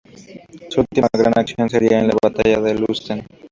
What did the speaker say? Su última gran acción sería en la batalla de Lützen.